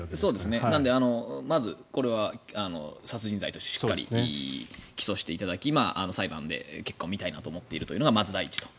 だからまずこれは殺人罪としてしっかり起訴していただき裁判で結果を見たいなと思っているのがまず第一と。